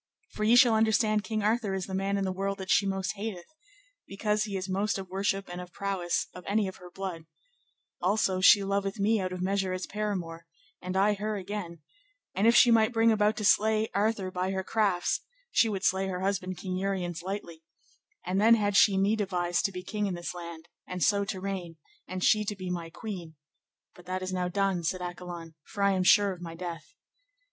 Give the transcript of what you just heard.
For ye shall understand King Arthur is the man in the world that she most hateth, because he is most of worship and of prowess of any of her blood; also she loveth me out of measure as paramour, and I her again; and if she might bring about to slay Arthur by her crafts, she would slay her husband King Uriens lightly, and then had she me devised to be king in this land, and so to reign, and she to be my queen; but that is now done, said Accolon, for I am sure of my death.